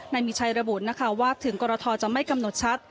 นายมีชัยระบุนะคะว่าถึงกรทจะไม่กำหนดชัด